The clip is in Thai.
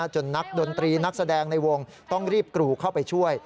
นักดนตรีนักแสดงในวงต้องรีบกรูเข้าไปช่วย